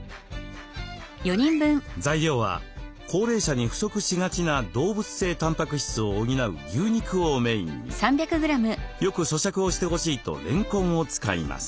材料は高齢者に不足しがちな動物性たんぱく質を補う牛肉をメインによくそしゃくをしてほしいとれんこんを使います。